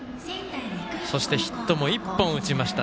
そしてヒットも１本打ちました。